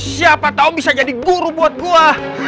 siapa tau bisa jadi guru buat gua